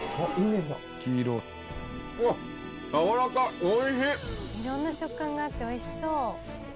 「色んな食感があって美味しそう」